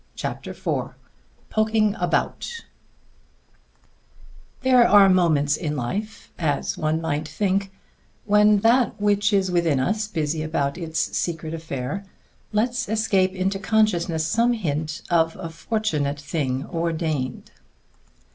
CHAPTER IV POKING ABOUT There are moments in life, as one might think, when that which is within us, busy about its secret affair, lets escape into consciousness some hint of a fortunate thing ordained.